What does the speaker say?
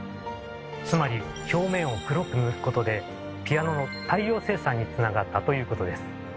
つまり表面を黒く塗ることでピアノの大量生産につながったということです。